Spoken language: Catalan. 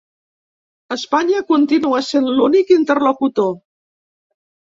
Espanya continua sent l’únic interlocutor.